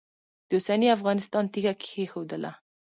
د اوسني افغانستان تیږه کښېښودله.